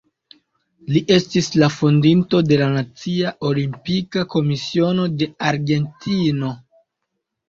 Li estis la fondinto de la Nacia Olimpika Komisiono de Argentino.